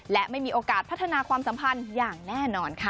และไม่มีโอกาสพัฒนาความสัมพันธ์อย่างแน่นอนค่ะ